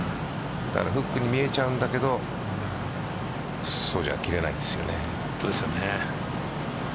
フックに見えちゃうんだけどそういうふうには切れないんですよね。